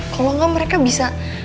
kalau enggak mereka bisa